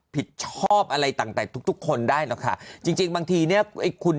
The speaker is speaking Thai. ผิดชอบอะไรต่างแต่ทุกคนได้นะคะจริงบางทีเนี่ยคุณ